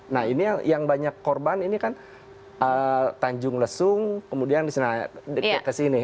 nah ini yang banyak korban ini kan tanjung lesung kemudian kesini